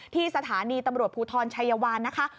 ที่สถานีตำรวจภูทรชัยวานนะคะ